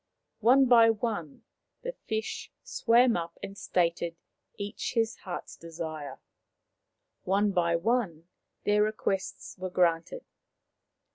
One by one the fish swam up and stated each his heart's desire. One by one their requests were granted.